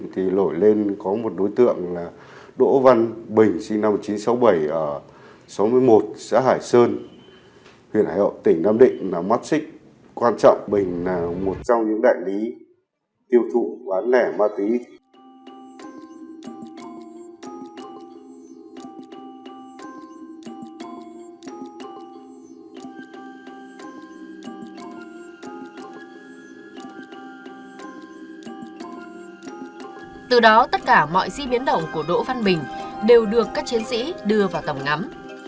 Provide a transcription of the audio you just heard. từ đó tất cả mọi di biến động của độ văn bình đều được các chiến sĩ đưa vào tầm ngắm